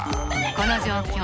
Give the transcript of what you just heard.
この状況